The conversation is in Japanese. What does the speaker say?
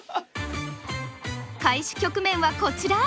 開始局面はこちら！